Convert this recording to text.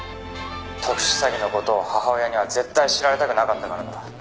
「特殊詐欺の事を母親には絶対知られたくなかったからだ」